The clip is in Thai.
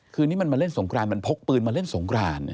คืนนี่มันมันเล่นสงครานมาพกกลุ่ม้าเล่นสงคราน